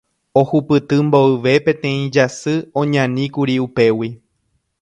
Ohupyty mboyve peteĩ jasy oñaníkuri upégui.